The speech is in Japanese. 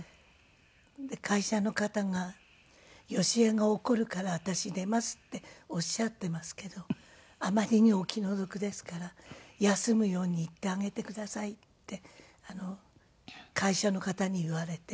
会社の方が「“好重が怒るから私出ます”っておっしゃってますけどあまりにお気の毒ですから休むように言ってあげてください」って会社の方に言われて。